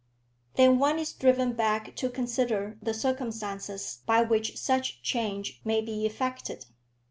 Then one is driven back to consider the circumstances by which such change may be effected.